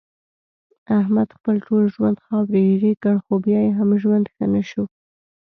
احمد خپل ټول ژوند خاورې ایرې کړ، خو بیا یې هم ژوند ښه نشو.